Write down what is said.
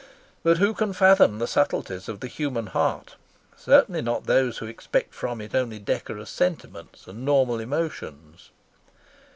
But who can fathom the subtleties of the human heart? Certainly not those who expect from it only decorous sentiments and normal emotions.